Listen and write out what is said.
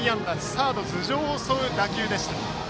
サード頭上を襲う打球でした。